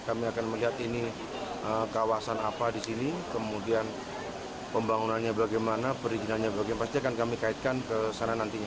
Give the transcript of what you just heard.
kami akan melihat ini kawasan apa di sini kemudian pembangunannya bagaimana perizinannya bagaimana pasti akan kami kaitkan ke sana nantinya